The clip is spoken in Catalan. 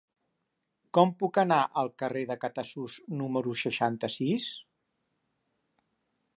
Com puc anar al carrer de Catasús número seixanta-sis?